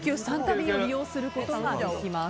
便を利用することができます。